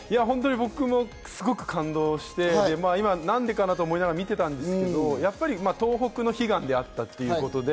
僕もすごく感動して、何でかなと思いながら見てたんですけど、東北の悲願であったということで。